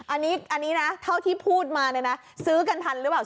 อันนี้นะเท่าที่พูดมาเนี่ยนะซื้อกันทันหรือเปล่า